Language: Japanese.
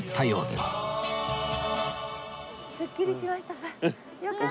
すっきりしましたか？